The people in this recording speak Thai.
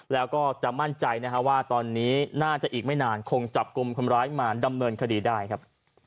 แล้วก็จะมั่นใจนะฮะว่าตอนนี้น่าจะอีกไม่นานคงจับกลุ่มคนร้ายมาดำเนินคดีได้ครับ